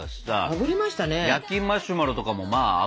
あぶりました。